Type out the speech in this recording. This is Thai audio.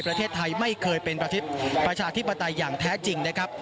ประเทศไทยไม่เคยเป็นประชาธิปไตยอย่างแท้จริงนะครับ